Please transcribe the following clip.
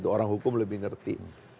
orang hukum lebih ngerti